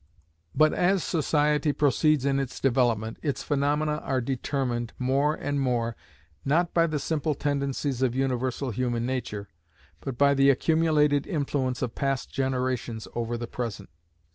But as society proceeds in its development, its phaenomena are determined, more and more, not by the simple tendencies of universal human nature, but by the accumulated influence of past generations over the present.